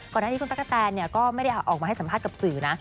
ก่อนหน้านี้คุณตั๊กกะแตนก็ไม่ได้ออกมาให้สัมภาษณ์กับสื่อนะ